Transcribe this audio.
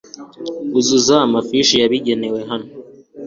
uzuza amafishi yabigenewe hano